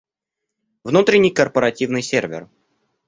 Внутренний корпоративный сервер